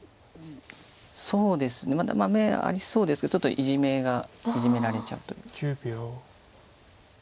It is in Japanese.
そうですねまだ眼ありそうですがちょっとイジメられちゃうという。